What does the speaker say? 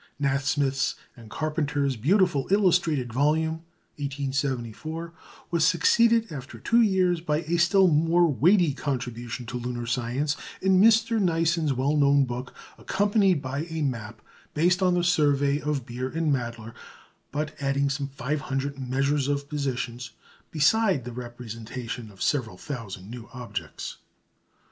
Nasmyth's and Carpenter's beautifully illustrated volume (1874) was succeeded, after two years, by a still more weighty contribution to lunar science in Mr. Neison's well known book, accompanied by a map, based on the survey of Beer and Mädler, but adding some 500 measures of positions, besides the representation of several thousand new objects.